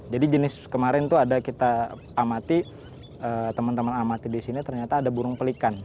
jadi jenis kemarin itu ada kita amati teman teman amati di sini ternyata ada burung pelikan